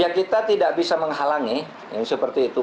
ya kita tidak bisa menghalangi seperti itu